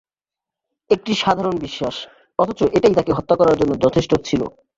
একটি সাধারণ বিশ্বাস, অথচ এটাই তাঁকে হত্যা করার জন্য যথেষ্ট ছিল।